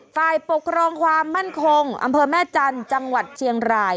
ฝ่ายปกครองความมั่นคงอำเภอแม่จันทร์จังหวัดเชียงราย